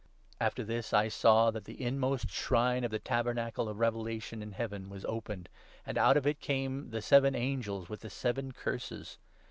After this I saw that the inmost shrine of the Tabernacle of 5 Revelation in Heaven was opened, and out of it came the 6 seven angels with the seven Curses.